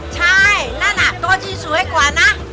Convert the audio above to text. ใช่นั่นน่ะตัวที่สวยกว่านะ